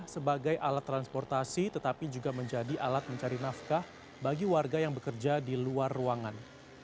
sebagai alat transportasi tetapi juga menjadi alat mencari nafkah bagi warga yang bekerja di luar ruangan